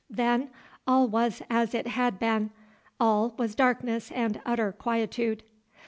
Then all was as it had been; all was darkness and utter quietude.